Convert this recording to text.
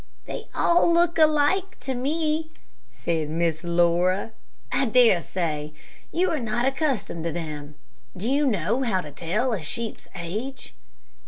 "They all look alike to me," said Miss Laura. "I dare say. You are not accustomed to them. Do you know how to tell a sheep's age?"